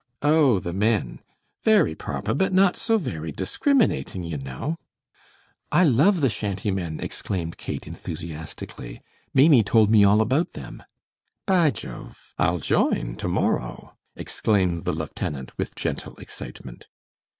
"Oh, the men! Very proper, but not so very discriminating, you know." "I love the shantymen," exclaimed Kate, enthusiastically. "Maimie told me all about them." "By Jove! I'll join to morrow," exclaimed the lieutenant with gentle excitement.